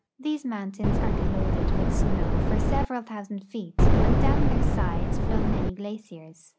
These mountains are clothed with snow for several thousand feet, and down their sides flow many glaciers.